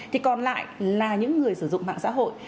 thì còn lại là những người sử dụng mạng xã hội